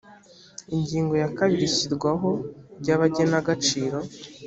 ingingo ya kabiri ishyirwaho ry’abagenagaciro